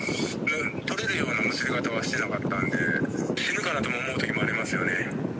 取れるような結び方はしていなかったので死ぬかなと思う時もありますよね。